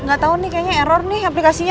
gak tau nih kayaknya error nih aplikasinya